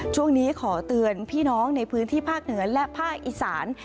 ช่วงนี้ขอเตือนพี่น้องในพื้นที่ภาคเหนือและภาคอีสาน